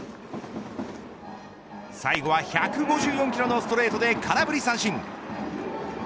最後は１５４キロのストレートで空振り三振。